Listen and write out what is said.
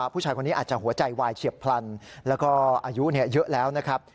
ผู้ชายคนนี้อาจจะหัวใจวายเฉียบพลันแล้วก็อายุเยอะแล้วนะครับ